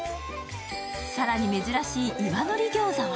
更に珍しい岩のり餃子は？